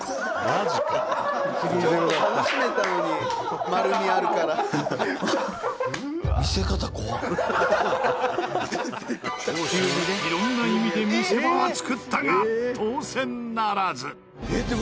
長州色んな意味で見せ場は作ったが当せんならず。